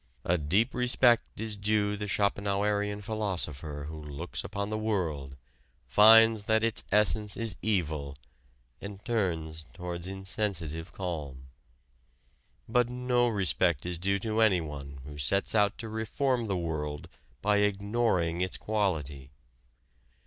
A deep respect is due the Schopenhauerian philosopher who looks upon the world, finds that its essence is evil, and turns towards insensitive calm. But no respect is due to anyone who sets out to reform the world by ignoring its quality.